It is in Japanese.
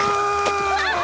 うわっ！